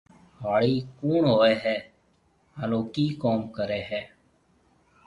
هاڙِي ڪوُڻ هوئي هيَ هانَ او ڪِي ڪوم ڪريَ هيَ۔